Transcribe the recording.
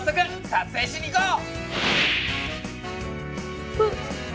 撮影しに行こう！